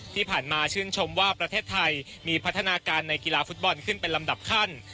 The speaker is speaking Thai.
ที่ผ่านมาชื่นชมว่าประเทศไทยมีพัฒนาการในกีฬาฟุตบอลขึ้นเป็นลำดับขั้น